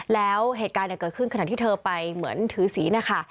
แล้วเหตุการณ์เกิดขึ้นขณะที่เธอไปเหมือนถือศีลนะคะ